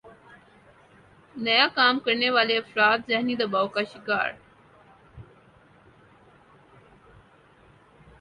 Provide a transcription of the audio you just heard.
نیا کام کرنے والےافراد ذہنی دباؤ کا شکار